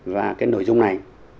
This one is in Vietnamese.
và cái nội dung này